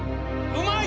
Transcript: うまい！